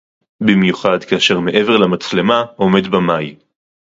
במיוחד כאשר מעבר למצלמה עומד במאי